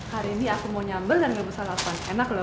hari ini aku mau nyambel dan gak bisa lakukan enak loh